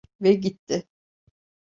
Ve gitti.